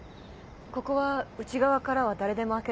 ここは内側からは誰でも開けられるんですか？